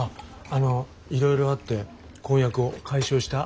あのいろいろあって婚約を解消した？